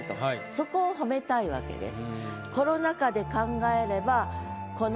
そこを褒めたいわけです。